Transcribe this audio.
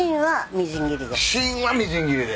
で芯はみじん切りで。